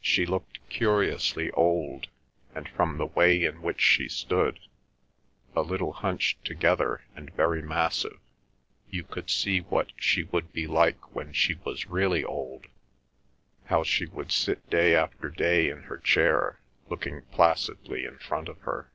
She looked curiously old, and from the way in which she stood, a little hunched together and very massive, you could see what she would be like when she was really old, how she would sit day after day in her chair looking placidly in front of her.